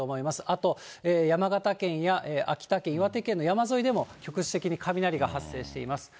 あと、山形県や秋田県、岩手県の山沿いでも局地的に雷が発生しています。